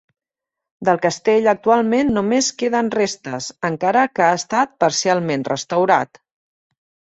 Del castell actualment només queden restes, encara que ha estat parcialment restaurat.